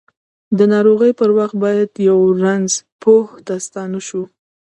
د ناروغۍ پر وخت باید یؤ رنځ پوه ته ستانه شوو!